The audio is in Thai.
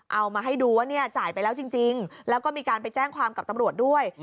เอามาให้ดูว่าเนี่ยจ่ายไปแล้วจริงแล้วก็มีการไปแจ้งความกับตำรวจด้วย